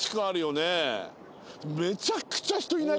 めちゃくちゃ人いない？